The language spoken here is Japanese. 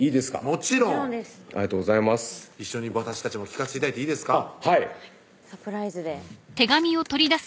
もちろん一緒に私たちも聞かせて頂いていいですか？